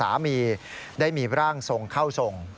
สามีได้มีร่างทรงเข้าทรง